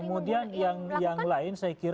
kemudian yang lain saya kira